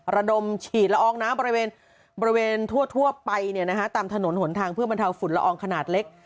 ระดมฉีดละอองน้ำบริเวณทั่วไปตามถนนหนทางเพื่อบรรเทาฝุ่นละอองขนาดเล็ก